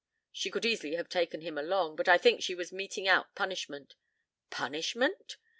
She could easily have taken him along, but I think she was meting out punishment." "Punishment?"